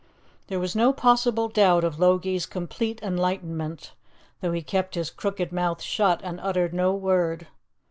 There was no possible doubt of Logie's complete enlightenment, though he kept his crooked mouth shut and uttered no word.